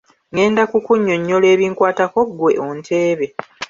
Ngenda kukunnyonnyola ebinkwatako ggwe onteebe.